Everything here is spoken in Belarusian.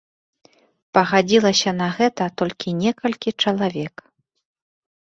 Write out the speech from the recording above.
Пагадзілася на гэта толькі некалькі чалавек.